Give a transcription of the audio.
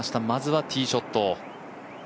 まずはティーショット。